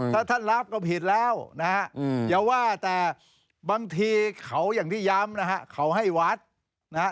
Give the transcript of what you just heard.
ถ้าท่านรับก็ผิดแล้วนะฮะอย่าว่าแต่บางทีเขาอย่างที่ย้ำนะฮะเขาให้วัดนะฮะ